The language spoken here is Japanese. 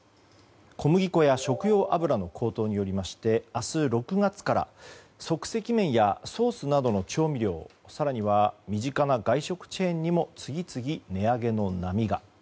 小麦粉や食用油の高騰によりまして明日、６月から即席麺やソースなどの調味料更には身近な外食チェーンにも次々、値上げの波が。